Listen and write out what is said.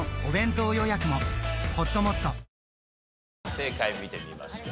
正解見てみましょう。